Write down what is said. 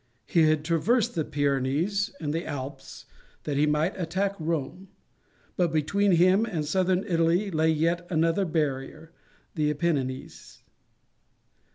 He had traversed the Pyrenees and the Alps that he might attack Rome; but between him and Southern Italy lay yet another barrier, the Apennines.